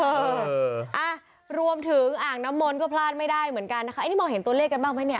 เอออ่ะรวมถึงอ่างน้ำมนต์ก็พลาดไม่ได้เหมือนกันนะคะอันนี้มองเห็นตัวเลขกันบ้างไหมเนี่ย